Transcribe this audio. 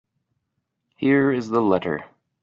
Here is the letter.